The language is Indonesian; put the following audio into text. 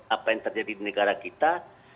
apa yang terjadi di negara kita